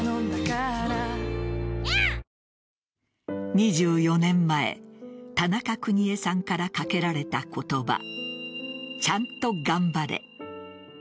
２４年前田中邦衛さんからかけられた言葉ちゃんと頑張れ。